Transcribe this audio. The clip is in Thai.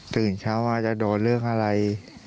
ตื่นเช้าว่าจะโดนเรื่องอะไร